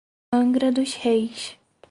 Angra dos Reis